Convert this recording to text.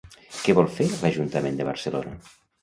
Què vol fer l'Ajuntament de Barcelona?